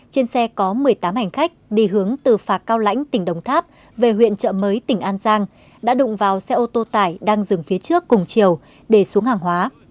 trên xe có một mươi tám hành khách đi hướng từ phà cao lãnh tỉnh đồng tháp về huyện trợ mới tỉnh an giang đã đụng vào xe ô tô tải đang dừng phía trước cùng chiều để xuống hàng hóa